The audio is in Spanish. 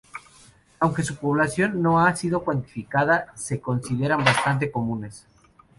Aunque su población no ha sido cuantificada se consideran bastante comunes.